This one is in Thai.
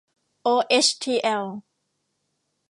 โอเอชทีแอล